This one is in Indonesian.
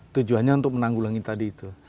tujuannya untuk menanggulangi tadi itu